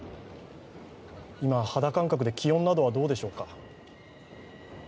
今、肌感覚で気温などはどうでしょうか？